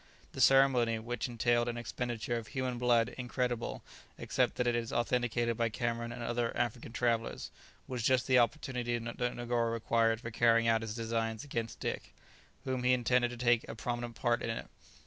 The ceremony (which entailed an expenditure of human blood incredible except that it is authenticated by Cameron and other African travellers) was just the opportunity that Negoro required for carrying out his designs against Dick, whom he intended to take a prominent part in it.